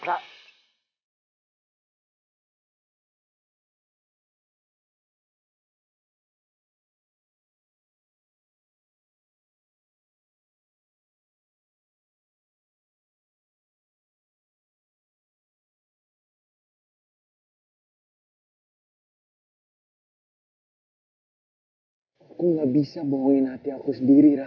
aku gak bisa bohongin hati aku sendiri ra